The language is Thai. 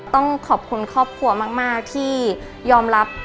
ต้องขอบคุณครอบครัวมากที่ยอมรับ